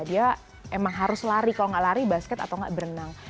dia emang harus lari kalau nggak lari basket atau nggak berenang